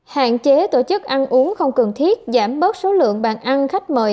hạn chế tổ chức ăn uống không cần thiết giảm bớt số lượng bàn ăn khách mời